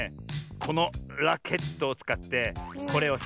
このラケットをつかってこれをさ